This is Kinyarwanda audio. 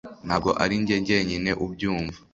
Ntabwo ari njye jyenyine ubyumva